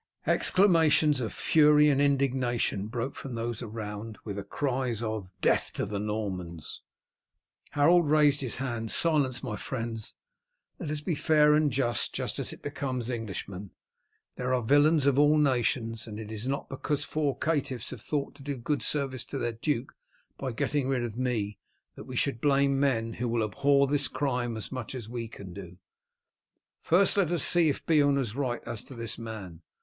Exclamations of fury and indignation broke from those around, with the cries of "Death to the Normans!" Harold raised his hand. "Silence, my friends. Let us be fair and just as it becomes Englishmen. There are villains of all nations, and it is not because four caitiffs have thought to do a good service to their duke by getting rid of me that we should blame men who will abhor this crime as much as we can do. First let us see if Beorn is right as to this man.